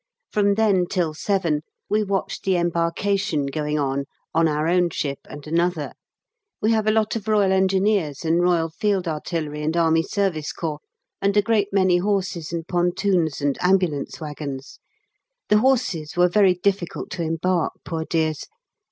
From then till 7 we watched the embarkation going on, on our own ship and another. We have a lot of R.E. and R.F.A. and A.S.C., and a great many horses and pontoons and ambulance waggons: the horses were very difficult to embark, poor dears.